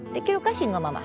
慎吾ママ。